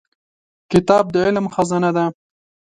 کتاب د علم خزانه ده.